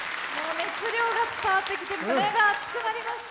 熱量が伝わってきて胸が熱くなりました。